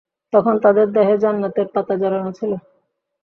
তখন তাদের দেহে জান্নাতের পাতা জড়ানো ছিল।